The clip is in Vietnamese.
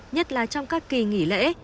nhất là trong các kỳ nghỉ lễ